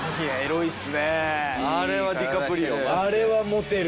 あれはモテる。